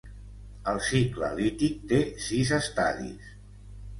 El cicle lític té sis estadis.